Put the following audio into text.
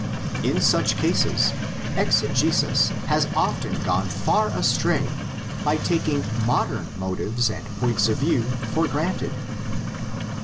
In such cases exegesis has often gone far astray by taking modern motives and points of view for granted.